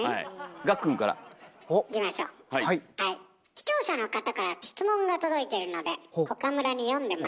視聴者の方から質問が届いているので岡村に読んでもらいますね。